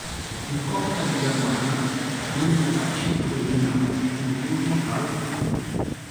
In Coppa di Germania l'Unterhaching fu eliminato al primo turno dall'.